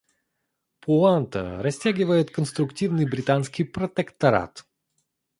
Пуанта растягивает конструктивный британский протекторат.